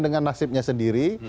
dengan nasibnya sendiri